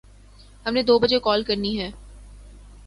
ہم نے دو بجے کال کرنی ہے